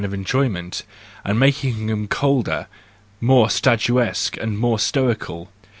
of enjoyment, and making him colder, more statuesque, and more Stoical.